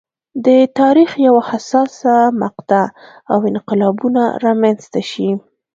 د تاریخ یوه حساسه مقطعه او انقلابونه رامنځته شي.